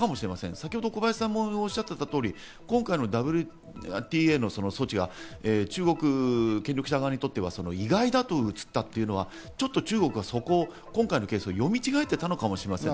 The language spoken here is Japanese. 先ほど小林さんもおっしゃっていたとおり、今回のＷＴＡの措置が中国権力者側にとっては意外だと映ったというのはちょっと中国はそこ、今回のケースを読み違えていたのかもしれません。